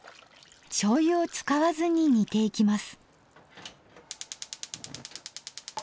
しょうゆを使わずに煮ていきます。